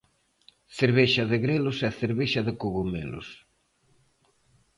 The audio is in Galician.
Cervexa de grelos e cervexa de cogomelos.